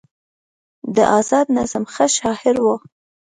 د ازاد نظم ښه شاعر و